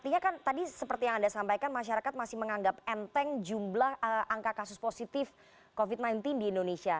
artinya kan tadi seperti yang anda sampaikan masyarakat masih menganggap enteng jumlah angka kasus positif covid sembilan belas di indonesia